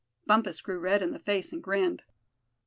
Bumpus grew red in the face and grinned.